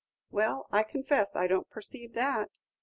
"Well, I confess I don't perceive that."